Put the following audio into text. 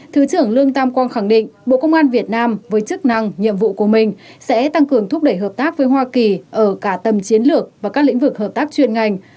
thứ trưởng lương tam quang khẳng định bộ công an việt nam với chức năng nhiệm vụ của mình sẽ tăng cường thúc đẩy hợp tác với hoa kỳ ở cả tầm chiến lược và các lĩnh vực hợp tác chuyên ngành